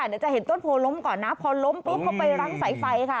เดี๋ยวจะเห็นต้นโพล้มก่อนนะพอล้มปุ๊บเขาไปรั้งสายไฟค่ะ